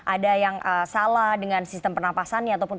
ada yang salah dengan sistem pernapasannya